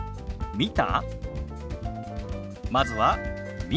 「見た？」。